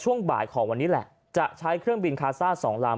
ช่วงบ่ายของวันนี้แหละจะใช้เครื่องบินคาซ่า๒ลำ